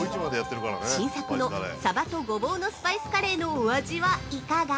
新作のさばとごぼうのスパイスカレーのお味はいかが？